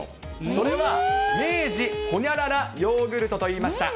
それは、明治ホニャララヨーグルトといいました。